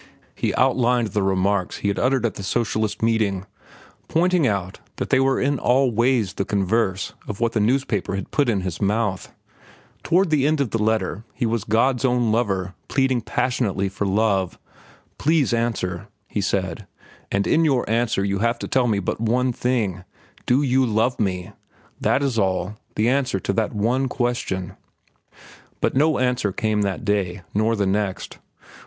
He outlined the remarks he had uttered at the socialist meeting, pointing out that they were in all ways the converse of what the newspaper had put in his mouth. Toward the end of the letter he was God's own lover pleading passionately for love. "Please answer," he said, "and in your answer you have to tell me but one thing. Do you love me? That is all—the answer to that one question." But no answer came the next day, nor the next.